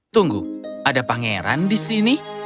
tunggu ada pangeran di sini